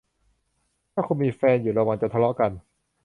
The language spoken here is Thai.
ถ้าคุณมีแฟนอยู่ระวังจะทะเลาะกัน